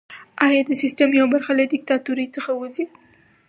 ایا د سیستم یوه برخه له دیکتاتورۍ څخه وځي؟